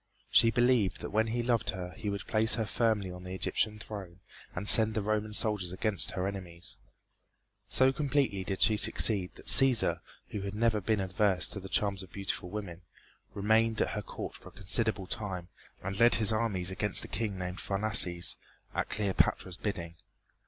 She believed that when he loved her he would place her firmly on the Egyptian throne and send the Roman soldiers against her enemies. So completely did she succeed that Cæsar, who never had been averse to the charms of beautiful women, remained at her court for a considerable time and led his armies against a king named Pharnaces at Cleopatra's bidding.